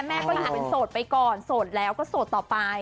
แม่ก็อยู่เป็นโสดไปก่อนโสดแล้วก็โสดต่อไป